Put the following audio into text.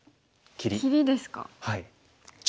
切りですか。